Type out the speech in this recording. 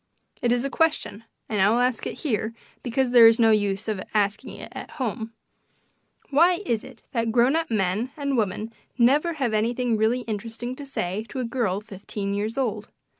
It is a question, and I will ask it here because there is no use of asking it at home: Why is it that grown up men and women never have anything really interesting to say to a girl fifteen years old?